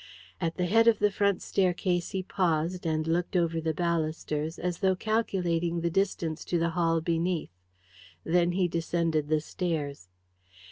At the head of the front staircase he paused, and looked over the balusters, as though calculating the distance to the hall beneath. Then he descended the stairs.